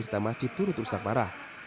serta masjid turut rusak parah